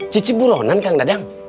cici buronan kang dadang